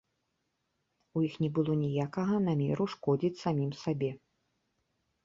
У іх не было ніякага намеру шкодзіць самім сабе.